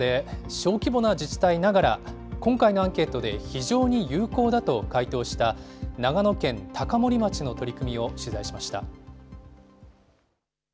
こうした中で、小規模な自治体ながら、今回のアンケートで非常に有効だと回答した長野県高森町の取り組みを取材しました。